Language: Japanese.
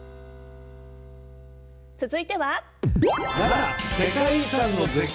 続いては。